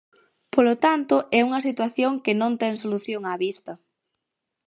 Polo tanto, é unha situación que non ten solución á vista.